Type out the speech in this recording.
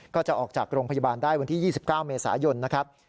ก็จะออกจากโรงพยาบาลได้วันที่๒๙เมษายนนะครับ